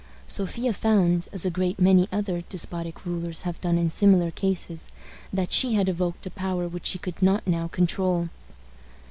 Sophia found, as a great many other despotic rulers have done in similar cases, that she had evoked a power which she could not now control.